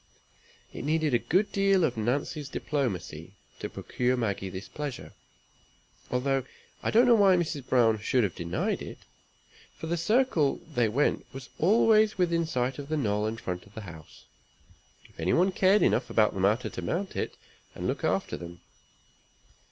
It needed a good deal of Nancy's diplomacy to procure Maggie this pleasure; although I don't know why Mrs. Browne should have denied it, for the circle they went was always within sight of the knoll in front of the house, if any one cared enough about the matter to mount it, and look after them.